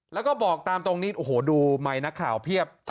แล้วก็บอกตามตรงนี้โอ้โหดูไมค์นักข่าวเพียบ